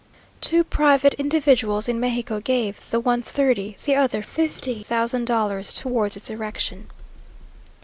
Two private individuals in Mexico gave, the one thirty, the other fifty thousand dollars, towards its erection.